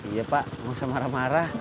iya pak jangan marah marah